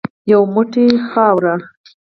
یو موټ خاوره .